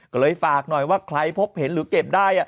ก็เลยฝากหน่อยว่าใครพบเห็นหรือเก็บได้